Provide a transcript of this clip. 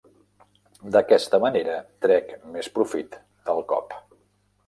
D'aquesta manera trec més profit del cop.